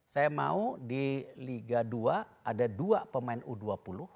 saya mau di liga dua ada dua pemain u dua puluh